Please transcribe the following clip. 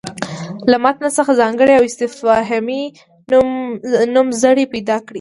له متن څخه ځانګړي او استفهامي نومځړي پیدا کړي.